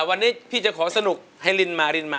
วันนี้พี่จะขอสนุกให้รินมารินมา